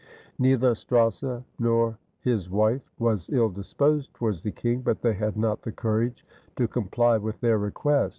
Neither Strausse nor his wife was ill disposed towards the king; but they had not the courage to comply with their request.